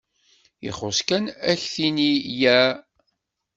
Ixuṣṣ kan ad k-tini yya.